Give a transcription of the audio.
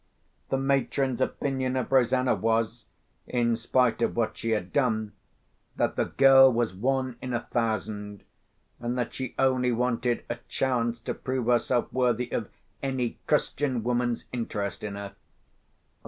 The matron's opinion of Rosanna was (in spite of what she had done) that the girl was one in a thousand, and that she only wanted a chance to prove herself worthy of any Christian woman's interest in her.